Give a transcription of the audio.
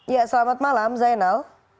ya selamat malam zainal